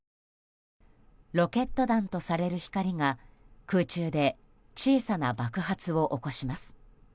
ロケット弾とされる光が空中で小さな爆発を起こします。